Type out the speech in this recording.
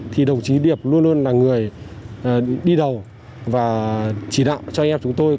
thì đồng chí điệp luôn luôn là người đi đầu và chỉ đạo cho anh em chúng tôi